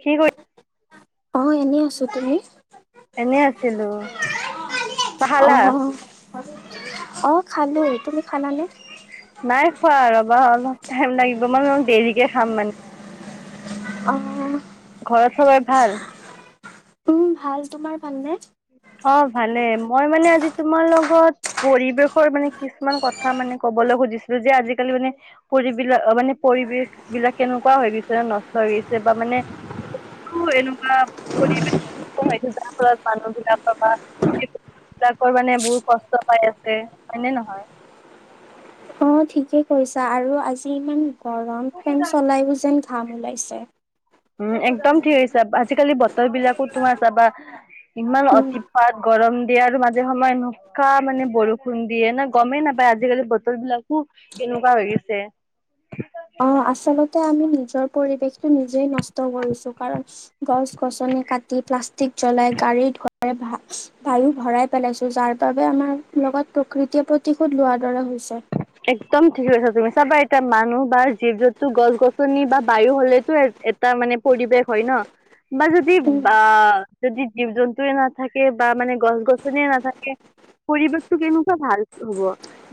কি কৰি? অ', এনেই আছোঁ তুমি? এনেই আছিলোঁ। অ আহ খালোঁ তুমি খালানে। নাই খোৱা ৰবা অলপ টাইম লাগিব মানে দেৰিকে খাম মানে। অ। ঘৰত চবই ভাল? উম ভাল তোমাৰ ভাল নে। [inaudible] অ ভালে মই মানে আজি তোমাৰ লগত পৰিৱেশৰ মানে কিছুমান কথা মানে কবলৈ। সুধিছিলো যে আজিকালি মানে পুৰবিলাক অ মানে পৰিৱেশ বিলাক কেনেকুৱা হৈ গৈছে ন নষ্ট হৈ গৈছে। বা মানে, বো এনেকুৱা পৰিৱেশ যাৰ ফলত মানুহ বিলাকৰ বা বিলাকৰ মানে বহুত কষ্ট পাই আছে হয়নে নহয়। [inaudible] অ ঠিকে কৈছা আৰু আজি ইমান গৰম ফেন চলাইও যেন। ঘাম ওলাইছে। উম একদম ঠিক আজিকালি বতৰ বিলাকো তোমাৰ চাবা ইমান উম অতিপাত। গৰম দিয়ে আৰু মাজে সময়ে এনেকুৱা মানে বৰষুণ দিয়ে ন গমেই নাপায় আজিকালি বতৰবিলাকো কেনেকুৱা হৈ গৈছে। অ আচলতে আমি নিজৰ পৰিৱেশটো নিজেই নষ্ট কৰিছো কাৰণ গছ-গছনি কাটি প্লাষ্টিক জ্বলাই গাড়ী ধুৱাই বায়ু ভৰাই পেলাইছো যাৰ বাবে আমাৰ লগত। প্ৰকৃতিয়ে প্ৰতিশোধ লোৱাৰ দৰে হৈছে। একদম ঠিক কৈছা তুমি চাবা এতিয়া মানুহ বা জীৱ জন্তু গছ-গছনি বা বায়ু হলেটো এটা মানে পৰিৱেশ হয় নহ বা যদি উম বা। যদি জীৱ-জন্তুৱে নাথাকে বা মানে গছ-গছনিয়ে নাথাকে পৰিৱেশটো কেনেকুৱা ভাল হব,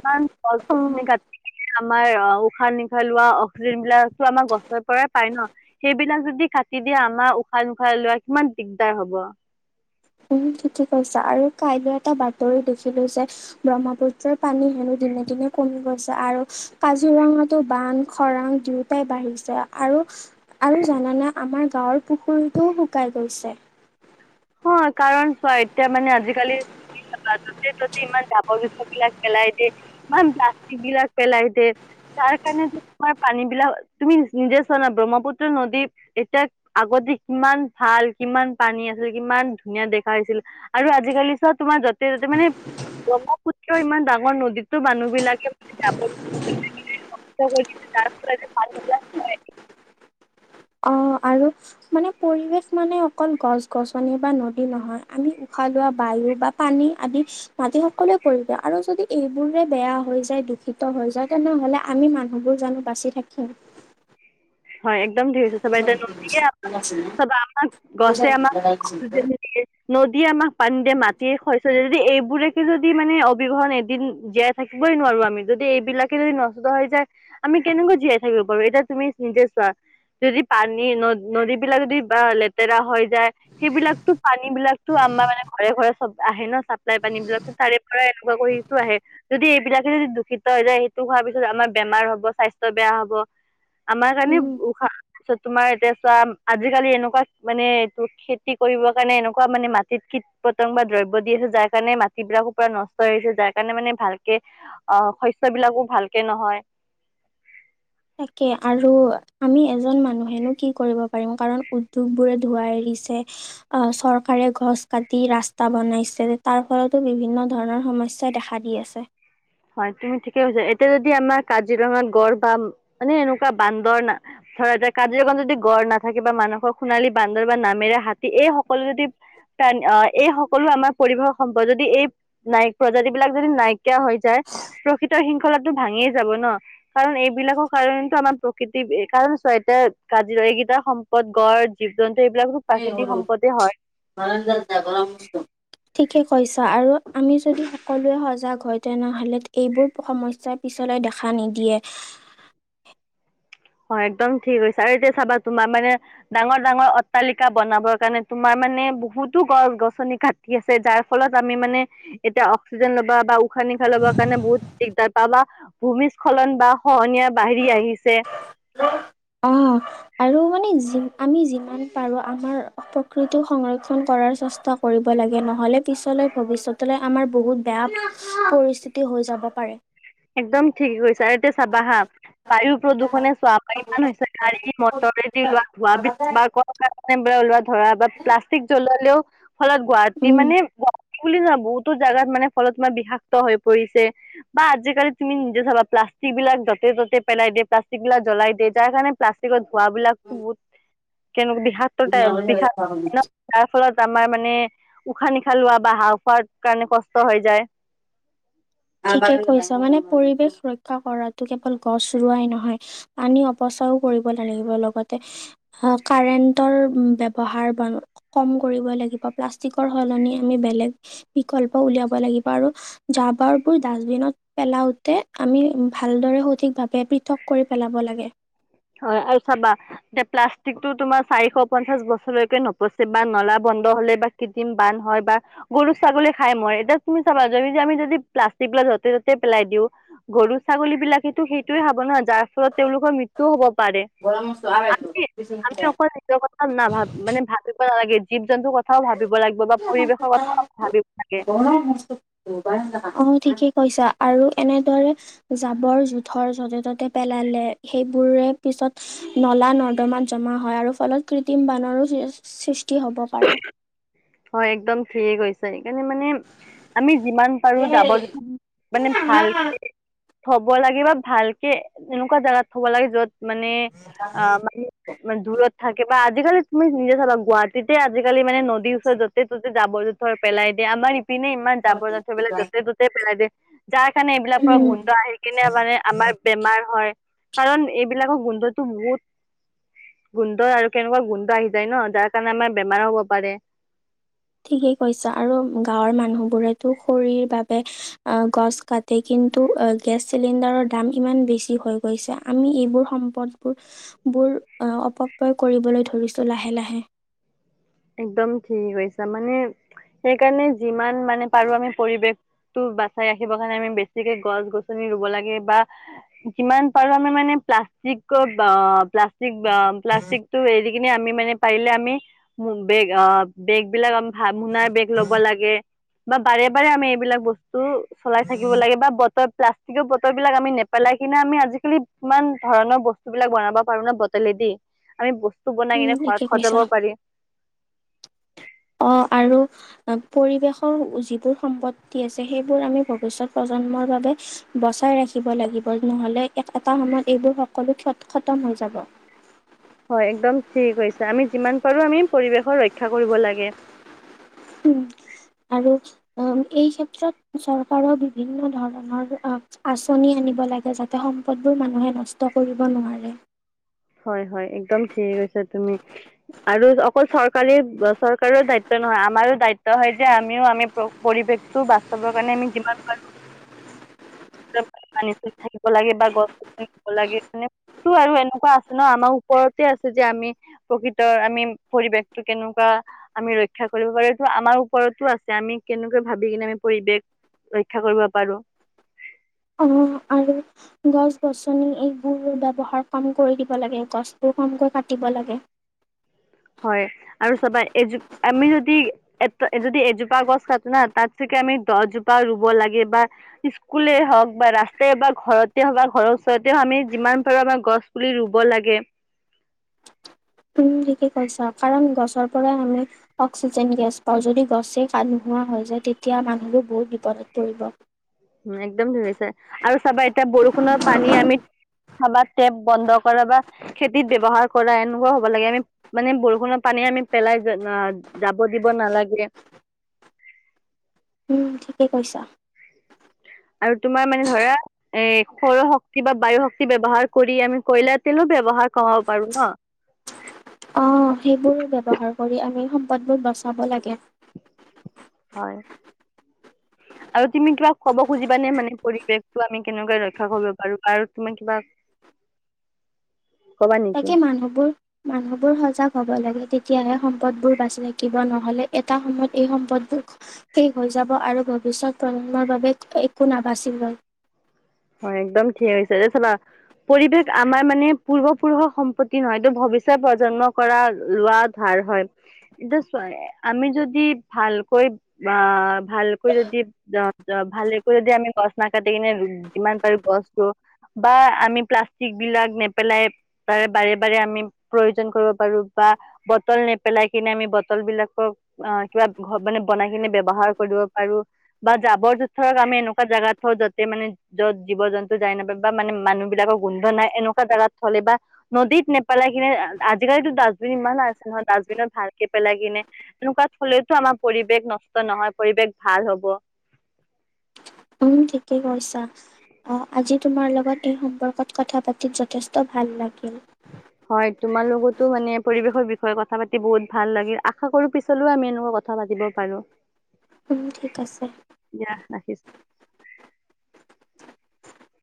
ইমান অ গছ-গছনি কাটি পিনে আমাৰ অ উশাহ নিশাহ লোৱা অক্সিজেন বিলাকো আমাৰ গছৰ পৰাই পাই নহ সেইবিলাক যদি। কাটি দিয়ে আমাৰ উশাহ নিশা লোৱাৰ কিমান দিগদাৰ হ'ব। উম ঠিকেই কৈছা আৰু কাইলৈ এটা বাতৰি দেখিলো যে ব্ৰহ্মপুত্ৰৰ পানী হেনো। দিনে দিনে কমি গৈছে আৰু কাজিৰঙাটো বান খৰাং দুয়োটাই বাঢ়িছে আৰু আৰু জানানে আমাৰ গাঁৱৰ পুখুৰীটোও শুকাই গৈছে। হয় কাৰণ চোৱা এতিয়া মানে আজিকালি। যতে ততে ইমান জাবৰ জোথৰ বিলাক পেলাই দে ইমান প্লাষ্টিক বিলাক পেলাই দে। তাৰ কাৰণে তোমাৰ পানী বিলাক তুমি নিজেই চোৱা না ব্ৰহ্মপুত্ৰ নদী এতিয়া আগত। কিমান ভাল কিমান পানী আছে। কিমান ধুনীয়া দেখা হৈছিল আৰু আজিকালি চব তোমাৰ যতে ত'তে মানে। ব্ৰহ্মপুত্ৰ ইমান ডাঙৰ নদীটো মানুহবিলাকে জাৱৰ [unintelligible] অ আৰু মানে পৰিৱেশ মানে অকল গছ-গছনি বা নদী নহয় আমি উশাহ লোৱা বায়ু বা পানী আদি মাটি সকলো কৰি দিয় আৰু যদি এইবোৰে বেয়া হৈ যায় দূষিত হৈ। বুজা তেনেহ'লে আমি মানুহবোৰ জানো বাচি থাকিম। হয় একদম [unintelligible] আমাক গছে আমাক। যে নদীয়ে আমাক পানী দিয়ে মাটিয়ে শস্য। যদি এইবোৰকে যদি মানে অবিহনে এদিন জীয়াই থাকিবই নোৱাৰো আমি যদি এইবিলাকে যদি ন। হৈ যায় আমি কেনেকৈ জীয়াই থাকিব পাৰোঁ এতিয়া তুমি নিজে চোৱা। যদি পানী নদ নদীবিলাক যদি বা লেতেৰা হৈ যায় সেইবিলাকটো পানী বিলাকটো মানে ঘৰে ঘৰে চব আহে ন চাপ্লাই পানী বিলাক তাৰে পৰা এনেকুৱা কৰি সেইটো আহে যদি এইবিলাকে যদি। দূষিত হৈ যায় সেইটো হোৱাৰ পিছত আমাৰ বেমাৰ হব স্বাস্থ্য বেয়া হব। আমাৰ কাৰণে উম উশাহত তোমাৰ এতিয়া চোৱা আজিকালি এনেকুৱা মানে এইটো খেতি কৰিব কাৰণে এনেকুৱা মানে মাটিত কীট পতং বা দ্ৰব্য দি আছে যাৰ কাৰণে মাটিবিলাকো পূৰা নষ্ট হৈছে যাৰ কাৰণে মানে। ভালকে অ শস্যবিলাকো ভালকে নহয়। তাকে আৰু আমি এজন মানুহেনো কি কৰিব পাৰিম কাৰণ উদ্যোগবোৰে ধোৱা এৰি। পিছে চৰকাৰে গছ কাটি ৰাস্তা বনাইছে তাৰ ফলতো বিভিন্ন ধৰণৰ সমস্যাই দেখা দি আছে। হয় তুমি ঠিকেই কৈছা এতিয়া যদি আমাৰ কাজিৰঙাত গড় বা মানে এনেকুৱা বান্দৰ না ধৰা যায় কাজিৰঙা যদি গড় নাথাকে বা মানুহৰ সোণালী বান্দৰ বা নামেৰে হাতী এই সকলো যদি কাৰণ এ এই সকলো আমাৰ পৰিৱেশৰ সম্পদ যদি এই নাই প্ৰজাতি বিলাক যদি নাইকিয়া হৈ যায়। প্ৰকৃতৰ শৃংখলাটো ভাঙিয়েই যাব ন কাৰণ এইবিলাকৰ কাৰণটো আমাৰ প্ৰকৃতিৰ কাৰণ হয় তো কাজিৰঙা এইকেইটা সম্পদ গড় জীৱ জন্ত। এ সৰু ঠিকেই কৈছা আৰু আমি যদি সকলোৱে সজাগ হয় তেনেহলে এইবোৰ সমস্যাই পিছলে দেখা নিদিয়ে। [inaudible] হয় একদম ঠিকে কৈছা আৰু এতিয়া চাবা তোমাৰ মানে ডাঙৰ ডাঙৰ অট্টালিকা বনাবৰ কাৰণে তোমাৰ মানে বহুতো গছ গছনি কাটি আছে যাৰ ফলত আমি মানে এতিয়া অক্সিজেন লব বা উশাহ পানী খাই লবৰ কাৰণে বহুত দিগদাৰ পা বা ভূমিস্খলন বা খহনীয়া ৰ্বাহি আহিছে। অ', আৰু মানে যি আমি যিমান পাৰোঁ আমাৰ প্ৰকৃতি সংৰক্ষণ কৰাৰ চেষ্টা কৰিব লাগে। নহলে পিছলৈ ভৱিষ্যতলৈ আমাৰ বহুত বেয়া পৰিস্থিতি হৈ যাব পাৰে। একদম ঠিক কৈছা এতিয়া চাবা হা বায়ু প্ৰদূষণে চোৱা ইমান হৈছে গাড়ী মটৰ ওলোৱা ধোৱাক বা ওলোৱা ধৰা বা প্লাষ্টিক জ্বলালেও ফলত গুৱাহাটী উম, মানে বুলি নহয় বহুতো জেগাত মানে ফলত বিষাক্ত হৈ পৰিছে বা আজি জাল তুমি নিজে চাবা প্লাষ্টিকবিলাক যতে ততে পেলাই দিয় প্লাষ্টিকবিলাক জ্বলাই দিয়ে তাৰ কাৰণে প্লাষ্টিকত খুৱাবলাকতো বহুত কেনে বিষাক্ট বিষ যাৰ ফলত আমাৰ মানে উশাহ নিশাহ লোৱা বা হাঁহ ফাওৰ কাৰণে কষ্ট হৈ যায়। থিকেই কৈছা মানে পৰিৱেশ ৰক্ষা কৰাতো কেৱল গছ ৰোৱাই নহয় পানী অৱস্থা কৰিব লাগে লগতে কাৰেণ্ট ব্যাবহাৰ কম কৰিৱ। কৰিব লাগিৱ প্লাষ্টিকৰ সলনি আমি বেলেগ বিকল্প উলিয়াব লাগিব আৰু‌ জাৰ বাৰ ডাষ্টবিনত পেলাওঁতে আমি ভালদৰে সঠিকভাৱে পৃথক কৰি পেলাব লাগে। হয় আৰু চাবা এতিয়া প্লাষ্টিক টো তোমাৰ চাৰিশ পঞ্চাশ বছৰলৈকে নপচে বা নলাব। হলে বা কৃত্ৰিম বান্ধ হয় বা গৰু ছাগলী খাই মই এতিয়া তুমি চাবা য আমি যদি প্লাষ্টিক য'তে ত'তে পেলাই দিওঁ গৰু ছাগলী বিলাকেতো সেইটোয়ে হাব নহয় যাৰ ফলত তেওঁলোকৰ মিত্ৰো সেইটো হ'ব পাৰে আমি, আমি অকল নিজৰ কথা নাভাবি মানে ভাবিব নালাগে। জীৱ জন্তুৰ কথাও ভাবিব লাগিব বা পৰিৱেশৰ কথাও ভাবি [unintelligible] ঠিকে কৈছা আৰু এনেদৰে জাবৰ জোথৰ যতে ত'তে পেলালে সেইবোৰ পিছত নলা নৰ্দমাত জমা হয় আৰু ফলত কৃত্ৰিম বানৰো সৃষ্টি। হ'ব পাৰে হয় একদম ঠিকে কৈছা। আমি মানে আমি যিমান পাৰো জাবৰ জোথ মানে ভালকে। হব লাগে বা ভালকে এনেকুৱা জেগাত থব লাগে য'ত মানে অ' মানে দূৰত থাকে বা আজিকালি তুমি নিজে জানা গুৱাহাটী যেতিয়া আজিকালি মানে নদীৰ ওচৰত যতে ত'তে জাবৰ জোথৰ পেলাই দিয়ে আমাৰ পিনে ইমান যাব যোথৰ বিলাক জতে ততে পেলাই দে। যাৰ কাৰণে এইবিলাক উম, গোন্ধ আহি কিনে মানে আমাৰ বেমাৰ হয় কাৰণ এইবিলাকক গোন্ধতো বহুত গোন্ধ আৰু কেনেকুৱা গোন্ধ আহি যায় ন তাত। কাৰণ আমাৰ বেমাৰো হ'ব পাৰে। ঠিকেই কৈছা আৰু গাঁৱৰ মানুহবোৰেতো খৰিৰ বাবে অ গছ কাটে কি কিন্ত গেছ চিলিণ্ডাৰৰ দাম ইমান বেছি হৈ গৈছে আমি এইবোৰ সম্পদবোৰ ফুল অপবয় কৰিবলৈ ধৰিছো লাহে লাহে। [inaudible] একদম ঠিকেই কৈছা মানে সেইকাৰণে যিমান মানে পাৰো আমি পৰিৱেশ তো বাচাই ৰাখিব কাৰণে আমি বেছিকে গছ গছনি ৰুব লাগে বা যিমান পাৰো আমি মানে প্লাষ্টিক ব অ' প্লাষ্টিকটো এৰি কিনে আমি মানে পাৰিলে আমি বেগ বেগ বিলাক। ভাল মোনাৰ বেগ ল'ব লাগে, বা বাৰে বাৰে আমি এইবিলাক বস্তু চলাই থাকিব লাগে। বা বতৰ প্লাষ্টিকৰ বটলবিলাক আমি নেপেলাই কিনে আমি, আজিকালি কিমান ধৰণৰ বস্তুবিলাক বনাব পাৰো ন বটলেদি। আমি বস্তু বনাই উম, কিনে ঠিকে ঘৰত কৈছা সজাব পাৰিম। অ' আৰু পৰিৱেশৰ যিবোৰ সম্পত্তি আছে, সেইবোৰ আমি ভৱিষ্যত প্ৰজ জন্মৰ বাবে বচাই ৰাখিব লাগিব। নহ'লে এটা সময়ত এইবোৰ সকলো ক্ষ খতম হৈ যাব। [inaudible] হয় একদম ঠিক কৈছা। আমি যিমান পাৰো আমি পৰিৱেশৰ ৰক্ষা কৰিব লাগে। উম। আৰু অ' এই ক্ষেত্ৰত চৰকাৰৰ বিভিন্ন ধৰণৰ অ' আঁচনি নিব লাগে যাতে সম্পদবোৰ মানুহে নষ্ট কৰিব নোৱাৰে। হয় হয়, একদম ঠিকে কৈছা তুমি। আৰু অকল চৰকাৰী, চৰকাৰৰ দায়িত্ব নহয়, আমাৰো দায়িত্ব হয় যে আমিও আমি প পৰিৱেশ টো বাচাবৰ কাৰণে আমি যিমান পাৰো [unintelligible] পানী থাকিব লাগে বা গছ গছনি লাগে মানেটো আৰু এনেকুৱা আ ন আমাৰ ওপৰতে আছে যে, আমি প্ৰকৃতৰ আমি পৰিৱেশটো কেনেকুৱা আমি ৰক্ষা কৰিব পাৰোঁ এইটো আমাৰ ওপৰতো আছে, আমি কেনেকৈ ভাবি কিনে আমি পৰিৱেশ ৰক্ষা কৰিব পাৰো। অ' আৰু গছ-গছনি এইবোৰ ব্যৱহাৰ কম কৰি দিব লাগে। গছবোৰ কমকৈ কাটিব লাগে। [inaudible] হয় আৰু চাবা এজো আমি যদি এ যদি এজোপা গছ কাটো না তাত চ আমি দহজোপা ৰুব লাগে, বা ইস্কুলেই হওক বা ৰাস্তাই বা ঘৰতে হওক বা ঘৰৰ ওচৰ যতে হওক আমি যিমান পাৰো আমাৰ গছ পুলি ৰুব লাগে। উম ঠিকে কৈছা কাৰণ গছৰ পৰাই আমি অক্সিজেন গেছ পাওঁ, যদি গছে কা নোহোৱা হয় যায় তেতিয়া মানুহবোৰ বহুত বিপদত পৰিব। উম একদম ধৰিছে আৰু চাবা এতিয়া বৰষুণৰ পানী আমি খাবা টেপ বন্ধ কৰা, বা খেতিত ব্যৱহাৰ কৰা, এনেকুৱা হ'ব লাগে। আমি মানে বৰষুণৰ পানী আমি পেলাই যা যাব দিব নালাগে। উম ঠিকেই কৈছা। আৰু তোমাৰ মানে ধৰা এ সৌৰশক্তি বা বায়ুশক্তি ব্যৱহাৰ কৰি আমি কয়লা তেলো ব্যৱহাৰ কমাব পাৰোঁ ন। অ' সেইবোৰ ব্যৱহাৰ কৰি আমি সম্পদবোৰ বচাব লাগে। হয়। আৰু তুমি কিবা ক'ব খুজিবা নে? মানে পৰিৱেশটো আমি কেনেকৈ ৰক্ষা কৰিব পাৰো আৰু তুমি কিবা? [inaudible] নেকি তাকে মানুহবোৰ, মানুহবোৰ সজাগ হ'ব লাগে, তে তেতিয়াহে সম্পদবোৰ বাচি থাকিব, নহ'লে এটা সময়ত এই সম্পদবোৰ শেষ হৈ যাব আৰু বহু ভৱিষ্যত প্ৰজন্মৰ বাবে একো নাবাচিবই। [inaudible] হয় একদম ঠিক হৈছে, চাবা পৰিৱেশ আমাৰ মানে পূৰ্বপুৰুষৰ সম্পত্তি নহয়টো, ভ ভৱিষ্যত প্ৰজন্ম পৰা লোৱা, ধাৰ হয়। এতিয়া চোৱা আমি যদি ভাল কৈ বা ভালকৈ যদি ভালকৈ যদি আমি গছ নাকাটি কিনে যিমান পাৰোঁ গছ ৰুওঁ, বা আমি প্লাষ্টিক বিলাক নেপেলাই তাৰে বাৰে বাৰে আমি প্ৰয়োজন কৰিব পাৰোঁ, বা বটল নেপেলাই কিনে আমি বটল বিলাকক অ' কিবা ঘৰ বনাই কিনে ব্যৱহাৰ কৰিব পাৰো বা জাবৰ- জোথৰক আমি এনেকুৱা জাগাত থও, যাতে মানে য'ত জীৱ-জন্তু যাই নাপায় বা মানে মানুহ বিলাকৰ গোন্ধ নাই, এনেকুৱা জাগাত থ'লে বা নদীত নেপেলাই ই কিনে আজিকালিটো ডাষ্টবিন ইমান আছে নহয়, ডাষ্টবিনত ভালকে পেলাই কিনে এনেকুৱা থ'লেইতো আমাৰ পৰিৱেশ নষ্ট নহয়, পৰিৱেশ ভাল হ'ব। উম ঠিকে কৈছা অ আজি। তোমাৰ লগত এই সম্পৰ্কত কথা পাতি যথেষ্ট ভাল লাগিল। হয় তোমাৰ লগতো মানে পৰিৱেশৰ বিষয়ে কথা পাতি বহুত ভাল লাগিল, আশা কৰো পিছলেও আমি এনেকুৱা কথা পাতিব। পাৰোঁ। উম ঠিক আছে। ৰাখিছো